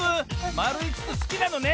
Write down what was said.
まるいつつすきなのね。